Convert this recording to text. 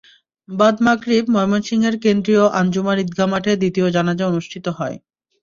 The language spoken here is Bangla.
বাদ মাগরিব ময়মনসিংহের কেন্দ্রীয় আঞ্জুমান ঈদগাহ মাঠে দ্বিতীয় জানাজা অনুষ্ঠিত হয়।